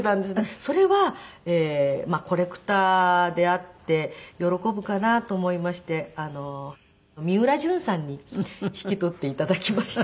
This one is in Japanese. それはコレクターであって喜ぶかなと思いましてみうらじゅんさんに引き取って頂きました。